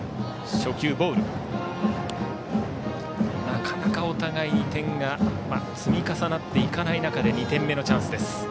なかなかお互いに点が積み重なっていかない中で２点目のチャンスです。